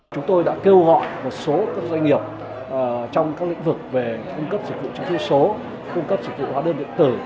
chúng tôi đã kêu gọi một số doanh nghiệp trong các lĩnh vực về cung cấp dịch vụ chữ ký số cung cấp dịch vụ hóa đơn điện tử